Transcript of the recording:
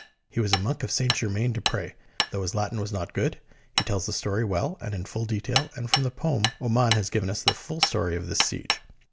He was a monk of St. Germain des Pres. Though his Latin was not good, he tells his story well and in full detail, and from the poem Oman has given us the full story of this siege.